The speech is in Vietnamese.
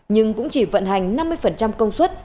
nhưng cũng chỉ vận hành năm mươi công suất